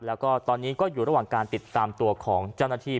แล้วก็ตอนนี้ก็อยู่ระหว่างการติดตามตัวของเจ้าหน้าที่